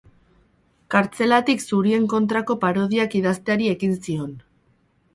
Kartzelatik zurien kontrako parodiak idazteari ekin zion.